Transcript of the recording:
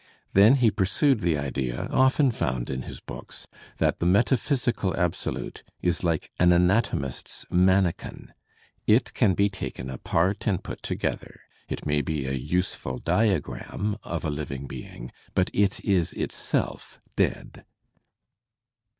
Then he pursued the idea, often found in his books, that the metaphysical Absolute is like an anatomist's mani kin. It can be taken apart and put together; it may be a useful diagram of a living being, but it is itself dead.